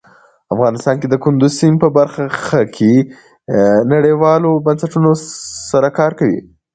افغانستان د کندز سیند په برخه کې نړیوالو بنسټونو سره کار کوي.